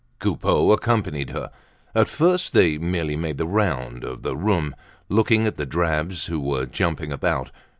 Coupeau accompanied her. At first they merely made the round of the room, looking at the drabs who were jumping about.